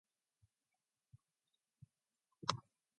The videos have no dialogue and are not softcore.